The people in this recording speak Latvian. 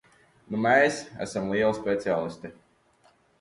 Nu mēs esam lieli speciālisti.